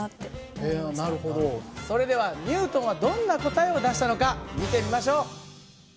それではニュートンはどんな答えを出したのか見てみましょう。